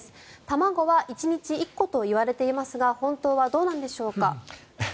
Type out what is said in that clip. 卵は１日１個といわれていますが本当はどうなんでしょうか。